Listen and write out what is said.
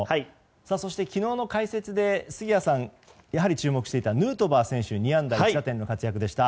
そして、昨日の解説で杉谷さん、注目していたヌートバー選手は２安打１打点の活躍でした。